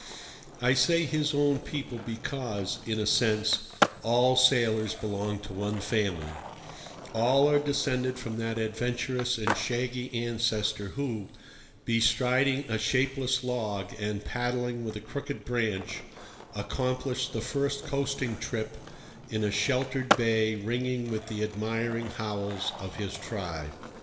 I say his own people because, in a sense, all sailors belong to one family: all are descended from that adventurous and shaggy ancestor who, bestriding a shapeless log and paddling with a crooked branch, accomplished the first coasting trip in a sheltered bay ringing with the admiring howls of his tribe.